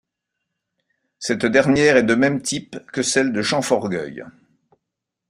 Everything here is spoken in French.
Cette dernière est de même type que celle de Champforgeuil.